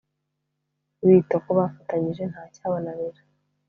bito ko bafatanyije nta cyabananira